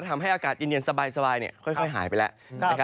ทำให้อากาศหยื่นเย็นสบายค่อยหายไป